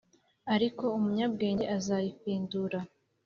ariko umunyabwenge azayifindura